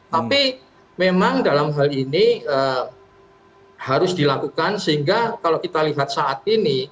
tapi memang dalam hal ini harus dilakukan sehingga kalau kita lihat saat ini